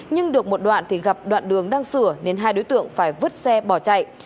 nhưng được một đoạn thì gặp đoạn đường đang sửa nên hai đối tượng phải vứt xe bỏ chạy